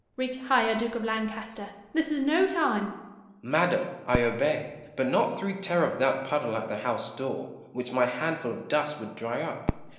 Retire, Duke of Lancaster ! This is no time Gaunt. Madam, I obey ; but not through terror of that puddle at the house door, which my handful of dust would dry up.